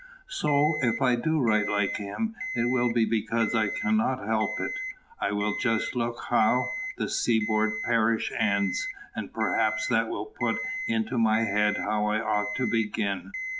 So, if I do write like him, it will be because I cannot help it. I will just look how "The Seaboard Parish" ends, and perhaps that will put into my head how I ought to begin.